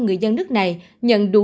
người dân nước này nhận đủ